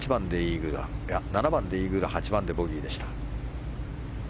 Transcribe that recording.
７番でイーグル８番でボギーでした。